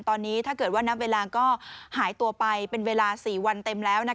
ตอนนี้ถ้าเกิดว่านับเวลาก็หายตัวไปเป็นเวลา๔วันเต็มแล้ว